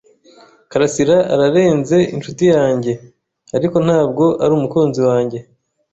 karasira ararenze inshuti yanjye, ariko ntabwo arumukunzi wanjye.